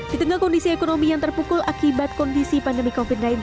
di tengah kondisi ekonomi yang terpukul akibat kondisi pandemi covid sembilan belas